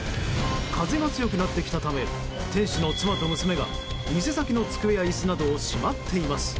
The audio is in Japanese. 風が強くなってきたため店主の妻と娘が店先の机や椅子などをしまっています。